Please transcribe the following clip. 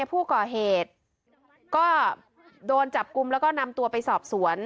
ผู้ก่อเหตุก็โดนจับกลุ่มแล้วก็นำตัวไปสอบสวน